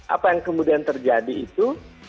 apa yang kemudian terjadi itu